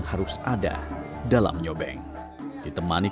mencari penyakit yang akan menjadi suci di dalam nyobeng